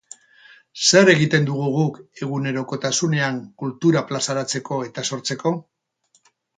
Zer egiten dugu guk egunerokotasunean kultura plazaratzeko edo sortzeko?